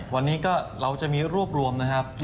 วันนี้ก็เราจะมีรวบรวมนะครับ